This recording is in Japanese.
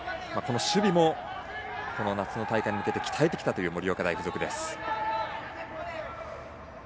守備もこの夏の大会に向けて鍛えてきたという盛岡大付属です。